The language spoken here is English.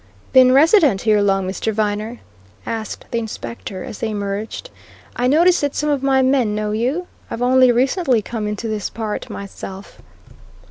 "Been resident here long, Mr. Viner?" asked the Inspector as they emerged. "I noticed that some of my men knew you. I've only recently come into this part myself."